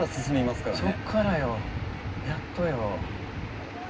そっからよやっとよ。